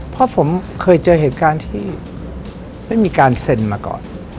เพราะผมเคยเจอเหตุการณ์ที่ไม่มีการเซ็นมาก่อน